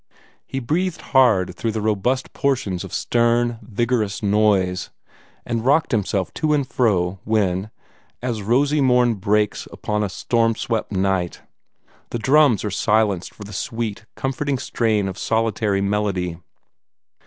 He breathed hard through the robust portions of stern, vigorous noise, and rocked himself to and fro when, as rosy morn breaks upon a storm swept night, the drums are silenced for the sweet, comforting strain of solitary melody.